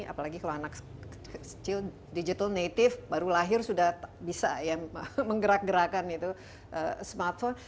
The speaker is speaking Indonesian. apalagi kalau anak kecil digital native baru lahir sudah bisa ya menggerak gerakan itu smartphone